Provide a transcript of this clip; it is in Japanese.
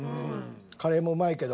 カレーもうまいけど。